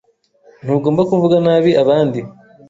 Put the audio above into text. Ntugomba kuvuga nabi abandi.